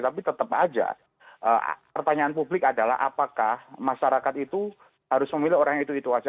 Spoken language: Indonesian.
tapi tetap aja pertanyaan publik adalah apakah masyarakat itu harus memilih orang yang itu itu saja